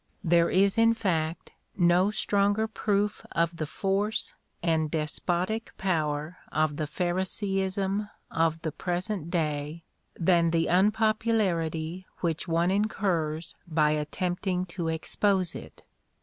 There is, in fact, no stronger proof of the force and despotic power of the Phariseeism of the present day, than the unpopularity which one incurs by attempting to expose it.